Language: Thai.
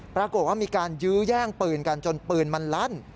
ปรากฏว่ามีการยื้อแย่งปืนกันจนปืนมันลั่น